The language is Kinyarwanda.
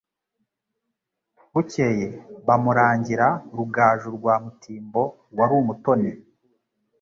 Bukeye bamurangira Rugaju rwa Mutimbo wari umutoni